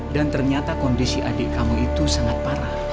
ternyata kondisi adik kamu itu sangat parah